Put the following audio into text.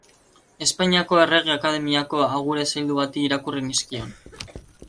Espainiako Errege Akademiako agure zaildu bati irakurri nizkion.